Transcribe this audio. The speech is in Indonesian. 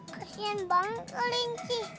kasian banget linci